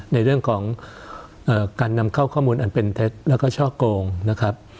ในเรื่องของการนำเข้าข้อมูลอันเป็นเท็จแล้วก็ช่อโกงนะครับ